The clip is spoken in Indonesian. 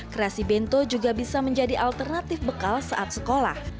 kreasi bento juga bisa menjadi alternatif bekal saat sekolah